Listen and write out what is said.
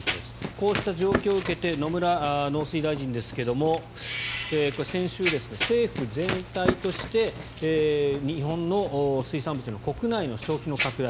こうした状況を受けて野村農水大臣ですが先週、政府全体として日本の水産物の国内の消費の拡大